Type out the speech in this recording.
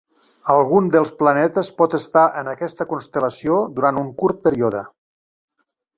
Algun dels planetes pot estar en aquesta constel·lació durant un curt període.